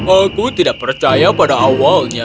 aku tidak percaya pada awalnya